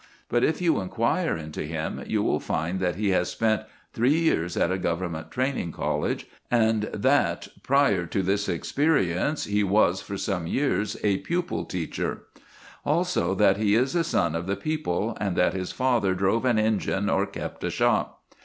But if you inquire into him, you will find that he has spent three years at a Government training college, and that prior to this experience he was for some years a pupil teacher; also that he is a son of the people, and that his father drove an engine or kept a shop.